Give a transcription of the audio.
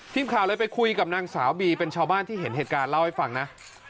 ทีมข่าวเลยไปคุยกับนางสาวบีเป็นชาวบ้านที่เห็นเหตุการณ์เล่าให้ฟังนะ